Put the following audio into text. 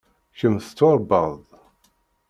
Kemm tettwaṛebbaḍ-d.